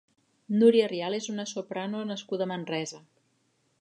Núria Rial és una soprano nascuda a Manresa.